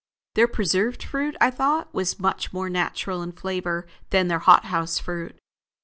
Their preserved fruit I thought much more natural in flavor than their hot house fruit.